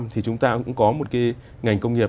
thì chúng ta cũng có một cái ngành công nghiệp